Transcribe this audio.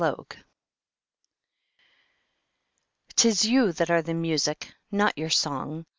Listening 'T is you that are the music, not your song.